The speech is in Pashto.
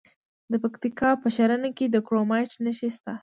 د پکتیکا په ښرنه کې د کرومایټ نښې شته.